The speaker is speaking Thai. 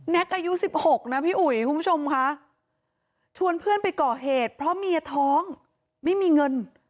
อายุ๑๖นะพี่อุ๋ยคุณผู้ชมค่ะชวนเพื่อนไปก่อเหตุเพราะเมียท้องไม่มีเงิน